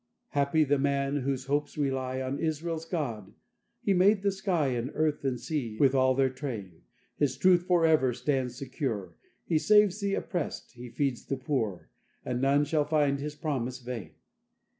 "Happy the man, whose hopes rely On Israel's God: He made the sky, And earth and sea, with all their train; His truth for ever stands secure; He saves the opprest, He feeds the poor, And none shall find His promise vain."